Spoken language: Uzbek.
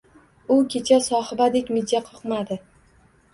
U kecha Sohibadek mijja qoqmadi